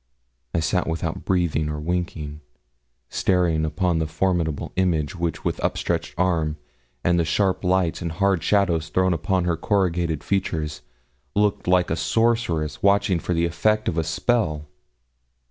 I sat without breathing or winking, staring upon the formidable image which with upstretched arm, and the sharp lights and hard shadows thrown upon her corrugated features, looked like a sorceress watching for the effect of a spell.